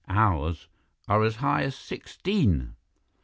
Ours are as high as sixteen."